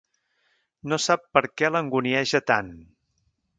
No sap per què l'angunieja tant.